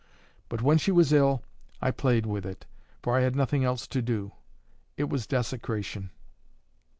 But when she was ill, I played with it, for I had nothing else to do; it was desecration."